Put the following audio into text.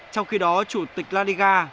trong khi đó chủ tịch la liga